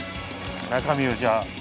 中身をじゃあ。